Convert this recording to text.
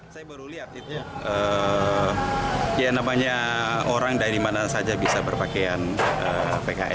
saya baru lihat itu ya namanya orang dari mana saja bisa berpakaian pks